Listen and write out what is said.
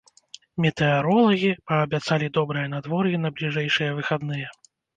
Метэаролагі паабяцалі добрае надвор'е на бліжэйшыя выхадныя.